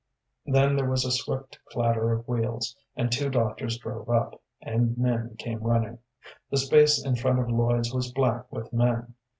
Then there was a swift clatter of wheels, and two doctors drove up, and men came running. The space in front of Lloyd's was black with men.